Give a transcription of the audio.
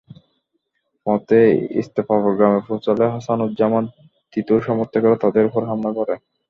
পথে ইস্তেফাপুর গ্রামে পৌঁছালে হাসানুজ্জামান তিতুর সমর্থকেরা তাঁদের ওপর হামলা করেন।